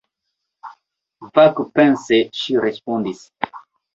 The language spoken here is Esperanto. Vagpense ŝi respondis: